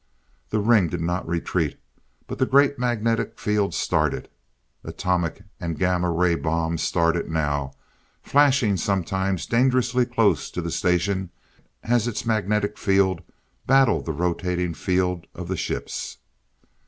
The ring did not retreat, but the great magnetic field started. Atomic and gamma ray bombs started now, flashing sometimes dangerously close to the station as its magnetic field battled the rotating field of the ships.